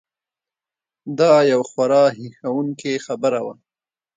دا یو خورا هیښوونکې خبره وه.